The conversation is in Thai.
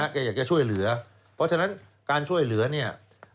แกอยากจะช่วยเหลือเพราะฉะนั้นการช่วยเหลือเนี่ย